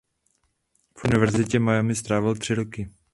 V univerzitě Miami strávil tři roky.